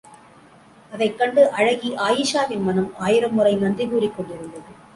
அதைக் கண்டு அழகி அயீஷாவின் மனம் ஆயிரம் முறை நன்றி கூறிக்கொண்டிருந்தது!